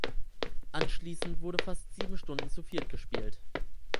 Anschließend wurde fast sieben Stunden zu viert gespielt.